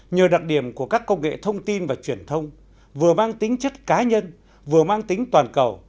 nhờ đặc điểm của các công nghệ thông tin và truyền thông vừa mang tính chất cá nhân vừa mang tính toàn cầu